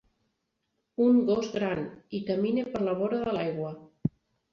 Un gos gran i camina per la vora de l'aigua.